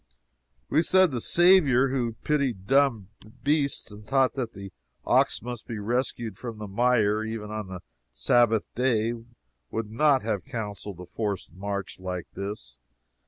We said the Saviour who pitied dumb beasts and taught that the ox must be rescued from the mire even on the Sabbath day, would not have counseled a forced march like this.